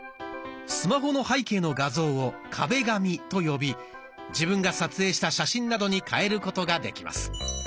スマホの背景の画像を「壁紙」と呼び自分が撮影した写真などに変えることができます。